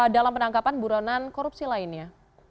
dalam penangkapan buronan korupsi lainnya